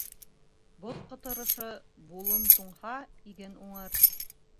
Боҙ ҡытыршы булын туңһа, иген уңыр.